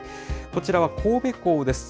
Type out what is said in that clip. こちらは神戸港です。